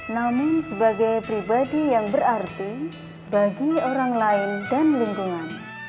namun sebagai pribadi yang berarti bagi orang lain dan lingkungan